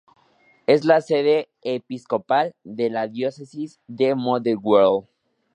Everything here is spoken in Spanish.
Es la sede episcopal de la Diócesis de Motherwell.